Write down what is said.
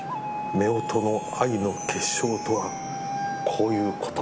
夫婦の愛の結晶とはこういうこと。